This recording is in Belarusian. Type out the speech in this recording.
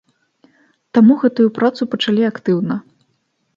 Таму гэтую працу пачалі актыўна.